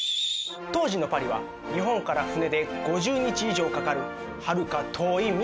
当時のパリは日本から船で５０日以上かかるはるか遠い未知の世界。